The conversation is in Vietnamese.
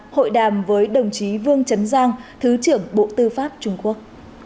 hội đàm với đồng chí vương chấn giang thứ trưởng bộ tư pháp trung quốc